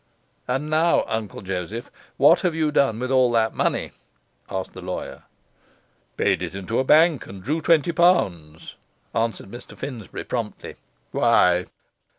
'And now, Uncle Joseph, what have you done with all that money?' asked the lawyer. 'Paid it into a bank and drew twenty pounds,' answered Mr Finsbury promptly. 'Why?